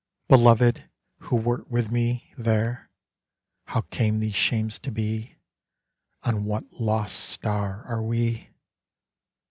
Beloved, who wert with me there, How came these shames to be? On what lost star are we?